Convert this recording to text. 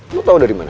lo tau dari mana